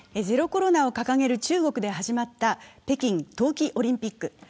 ゼロコロナを掲げる中国で始まった北京冬季オリンピック。